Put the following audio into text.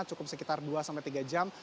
cukup sekitar dua sampai tiga jam